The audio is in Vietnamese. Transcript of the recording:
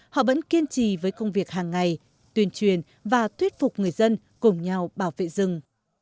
họ vẫn kiên trì với công việc hàng ngày tuyên truyền và thuyết phục người dân cùng nhau bảo vệ rừng